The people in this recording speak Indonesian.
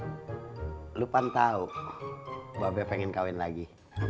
din lu pantau mba be pengen kawin lagi